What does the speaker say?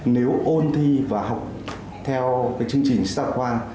nếu ôn thi và học theo chương trình xã hội khoa học